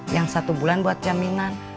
yang satu bulan buat jaminan